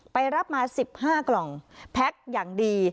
รับมา๑๕กล่องแพ็คอย่างดี